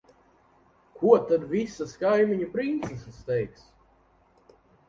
Ko tad visas kaimiņu princeses teiks?